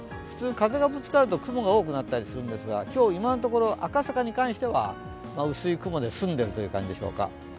普通、風がぶつかると、雲が多くなったりするんですが今日今のところ赤坂に関しては薄い雲で済んでいるという感じでしょうか。